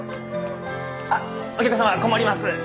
あっお客様困ります。